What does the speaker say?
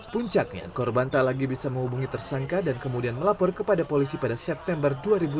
puncaknya korban tak lagi bisa menghubungi tersangka dan kemudian melapor kepada polisi pada september dua ribu dua puluh